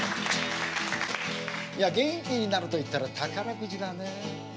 いや元気になるといったら宝くじだねえ。